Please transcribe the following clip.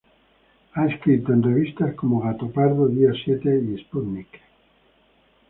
Ha escrito en revistas como "Gatopardo", "Día siete" y "Sputnik".